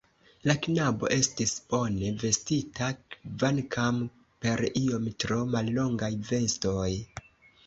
La knabo estis bone vestita, kvankam per iom tro mallongaj vestoj.